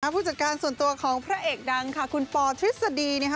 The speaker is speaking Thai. ผู้จัดการส่วนตัวของพระเอกดังค่ะคุณปอทฤษฎี